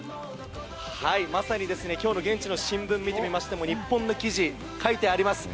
まさに今日の現地の新聞を見てみましても日本の記事、書いてあります。